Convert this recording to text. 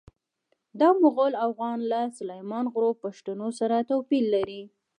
دا مغول اوغان له سلیمان غرو پښتنو سره توپیر لري.